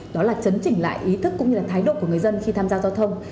đó là chấn chỉnh lại ý thức cũng như thái độ của người dân khi tham gia giao thông